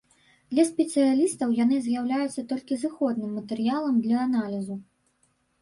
Для спецыялістаў яны з'яўляюцца толькі зыходным матэрыялам для аналізу.